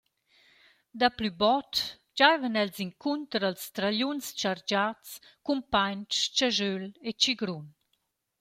Da plü bod giaivan els incunter als tragliuns chargiats cun painch, chaschöl e tschigrun.